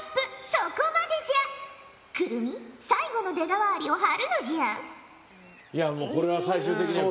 そこまでじゃ！来泉最後の出川アリを貼るのじゃ。